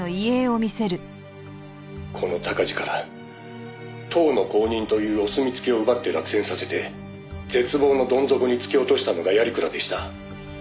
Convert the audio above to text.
「この鷹児から党の公認というお墨付きを奪って落選させて絶望のどん底に突き落としたのが鑓鞍でした」